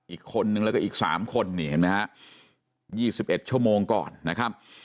อีกคนนึงแล้วก็อีก๓คน๒๑ชั่วโมงก่อนนะครับ